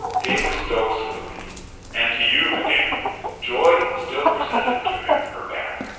David Stow saluted. "And to you, madame." Joy still presented to him her back.